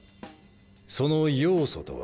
その要素とは？